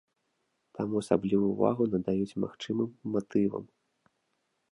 Таму асаблівую ўвагу надаюць магчымым матывам.